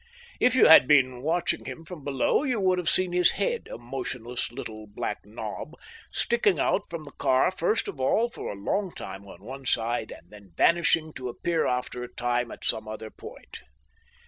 If you had been watching him from below, you would have seen his head, a motionless little black knob, sticking out from the car first of all for a long time on one side, and then vanishing to reappear after a time at some other point.